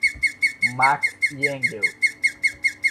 Marx e Engels